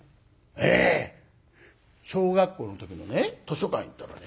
ええ。小学校の時のね図書館行ったらね